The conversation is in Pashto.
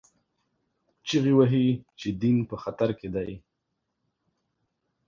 چیغې وهي چې دین په خطر کې دی